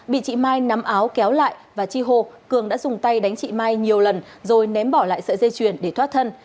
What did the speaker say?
bị chị mai nắm áo kéo lại và chi hô cường đã dùng tay đánh chị mai nhiều lần rồi ném bỏ lại sợi dây chuyền để thoát thân